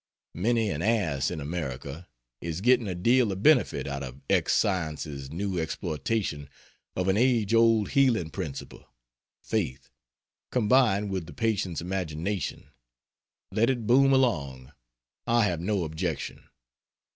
Many an ass in America, is getting a deal of benefit out of X Science's new exploitation of an age old healing principle faith, combined with the patient's imagination let it boom along! I have no objection.